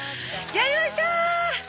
やりました！